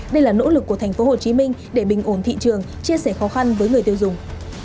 đây là nỗ lực của tp hcm để bình ổn thị trường chia sẻ khó khăn với người tiêu dùng